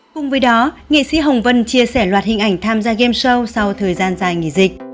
cùng với đó nghị sĩ hồng vân chia sẻ loạt hình ảnh tham gia game show sau thời gian dài nghỉ dịch